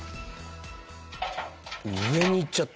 上に行っちゃった。